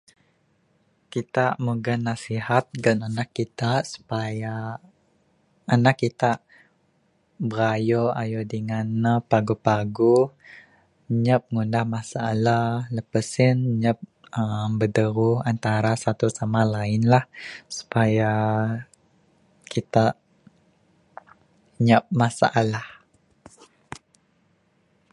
Kitak nyugon nasihat gan anak kitak supaya...anak kitak, berayo dingan ne paguh-paguh, nyap ngundah masalah, lepas sen nyap uhh bideruh antara satu sama lain lah, supaya...kitak, nyap masalah.